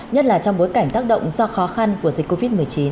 nhất là trong bối cảnh tác động do khó khăn của dịch covid một mươi chín